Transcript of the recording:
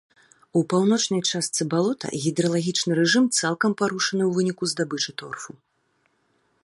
У паўночнай частцы балота гідралагічны рэжым цалкам парушаны ў выніку здабычы торфу.